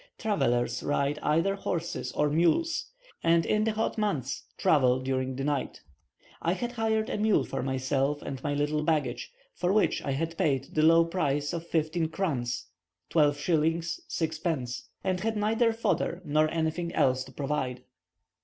Travellers ride either horses or mules, and in the hot months travel during the night. I had hired a mule for myself and my little baggage, for which I paid the low price of fifteen krans (12s. 6d.), and had neither fodder nor anything else to provide.